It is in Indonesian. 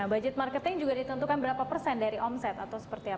nah budget marketing juga ditentukan berapa persen dari omset atau seperti apa